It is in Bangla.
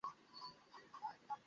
টার্মিনেটর তো আমরা দেখেছিই, ঠিক?